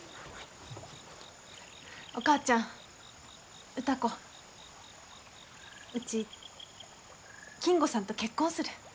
お母ちゃん歌子うち金吾さんと結婚する。